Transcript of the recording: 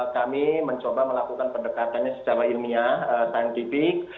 kami mencoba melakukan pendekatannya secara ilmiah saintifik